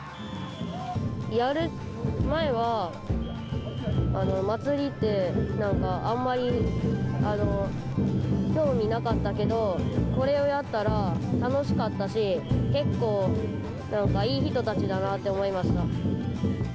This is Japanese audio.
やる前は祭りってなんか、あんまり興味なかったけど、これをやったら楽しかったし、結構なんかいい人たちだなって思いました。